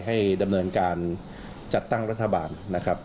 ให้ดำเนินการจัดตั้งรัฐบาลนะครับ